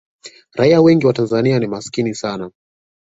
raia wengi wa tanzania ni masikini sana